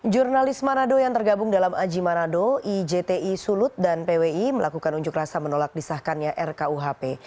jurnalis manado yang tergabung dalam aji manado ijti sulut dan pwi melakukan unjuk rasa menolak disahkannya rkuhp